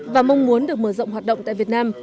và mong muốn được mở rộng hoạt động tại việt nam